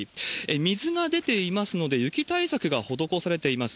水が出ていますので、雪対策が施されています。